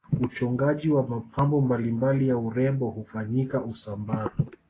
uchongaji wa mapambo mbalimbali ya urembo hufanyika usambara